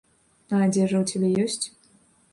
А адзежа ў цябе ёсць?